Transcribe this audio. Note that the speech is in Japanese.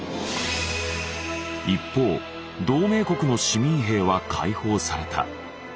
一方同盟国の市民兵は解放された。